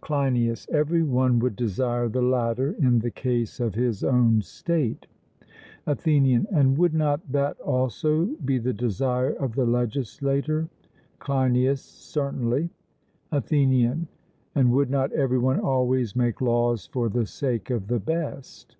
CLEINIAS: Every one would desire the latter in the case of his own state. ATHENIAN: And would not that also be the desire of the legislator? CLEINIAS: Certainly. ATHENIAN: And would not every one always make laws for the sake of the best?